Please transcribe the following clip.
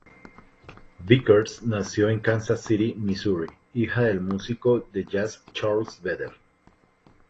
Vickers nació en Kansas City, Missouri, hija del músico de jazz Charles Vedder.